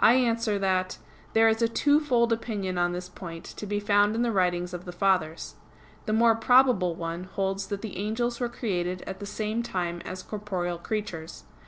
I answer that, There is a twofold opinion on this point to be found in the writings of the Fathers. The more probable one holds that the angels were created at the same time as corporeal creatures.